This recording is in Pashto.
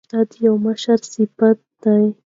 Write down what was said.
دا د یو مشر صفت دی.